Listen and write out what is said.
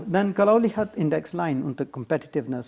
dan kalau lihat indeks lain untuk kompetitiveness